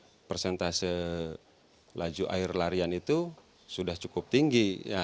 jadi persentase laju air larian itu sudah cukup tinggi